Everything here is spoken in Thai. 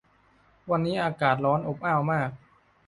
วันนี้อากาศร้อนอบอ้าวมาก